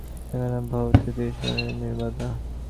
নৃত্যান্তি গায়ন্ত্যনুশীলয়ন্ত্যজং ভবন্তি তুষ্ণীং পরমেত্য নির্বৃতাঃ।